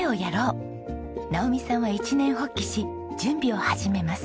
直己さんは一念発起し準備を始めます。